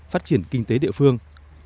phát triển kinh tế địa phương